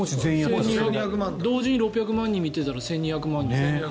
同時に６００万人見ていたら１２００万円ですから。